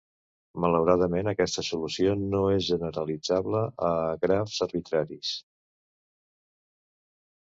Malauradament, aquesta solució no és generalitzable a grafs arbitraris.